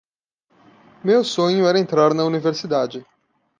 Meu sonho era entrar na universidade